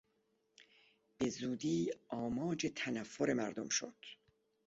به زودی آماج تنفر مردم شد.